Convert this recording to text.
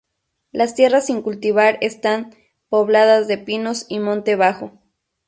Las tierras sin cultivar están pobladas de pinos y monte bajo.